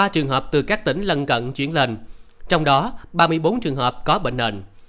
ba trường hợp từ các tỉnh lân cận chuyển lên trong đó ba mươi bốn trường hợp có bệnh nền